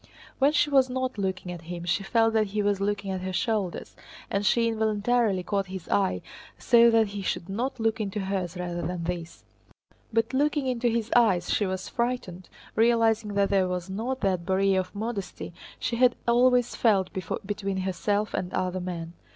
When she was not looking at him she felt that he was looking at her shoulders, and she involuntarily caught his eye so that he should look into hers rather than this. But looking into his eyes she was frightened, realizing that there was not that barrier of modesty she had always felt between herself and other men.